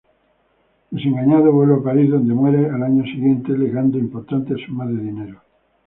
Desengañado, vuelve a París, donde muere al año siguiente, legando importantes sumas de dinero.